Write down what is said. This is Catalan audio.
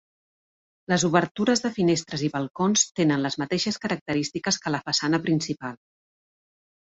Les obertures de finestres i balcons tenen les mateixes característiques que a la façana principal.